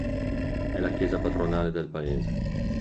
È la chiesa patronale del paese.